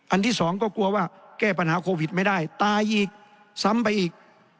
ที่สองก็กลัวว่าแก้ปัญหาโควิดไม่ได้ตายอีกซ้ำไปอีก